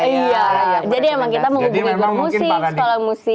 iya jadi memang kita mengubah guru musik sekolah musik